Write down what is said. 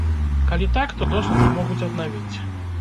Калі так, то доступ могуць аднавіць.